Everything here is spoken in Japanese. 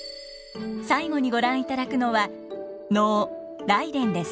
最後にご覧いただくのは能「来殿」です。